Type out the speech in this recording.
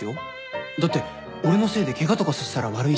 だって俺のせいでケガとかさせたら悪いし。